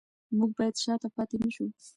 موږ باید شاته پاتې نشو.